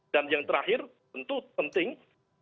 dan yang terakhir tentu penting